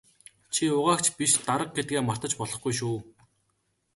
Чи угаагч биш дарга гэдгээ мартаж болохгүй шүү.